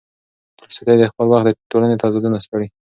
تولستوی د خپل وخت د ټولنې تضادونه سپړي.